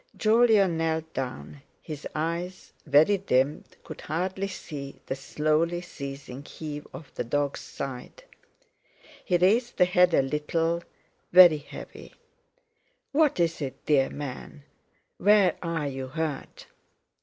Jolyon knelt down; his eyes, very dimmed, could hardly see the slowly ceasing heave of the dog's side. He raised the head a little—very heavy. "What is it, dear man? Where are you hurt?"